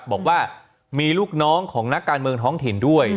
บอกว่ามีลูกน้องของนักการเมืองท้องถิ่นด้วย